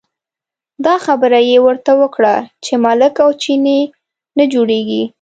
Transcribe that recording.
دا خبره یې ورته وکړه چې ملک او چینی نه جوړېږي.